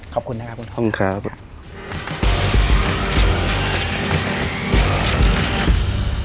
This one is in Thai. ขอบคุณนะครับคุณธรรม